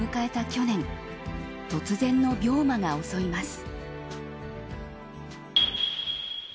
去年突然の病魔が襲います。